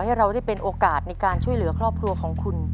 ให้เราได้เป็นโอกาสในการช่วยเหลือครอบครัวของคุณ